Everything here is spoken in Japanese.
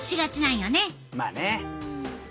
まあね！